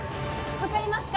分かりますか？